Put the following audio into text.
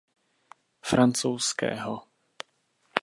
Francouzského.